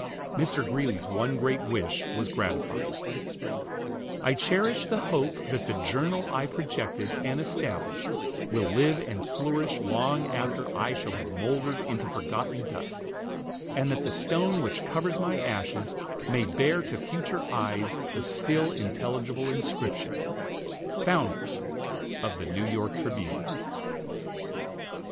Mr. Greeley's one great wish was gratified, "I cherish the hope that the journal I projected and established will live and flourish long after I shall have mouldered into forgotten dust; and that the stone which covers my ashes may bear to future eyes the still intelligible inscription, 'Founder of the NEW YORK TRIBUNE.'"